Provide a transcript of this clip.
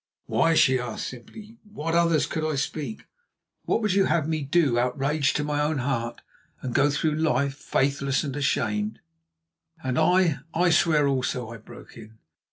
"Why?" she asked simply. "What others could I speak? Would you have me do outrage to my own heart and go through life faithless and ashamed?" "And I, I swear also," I broke in.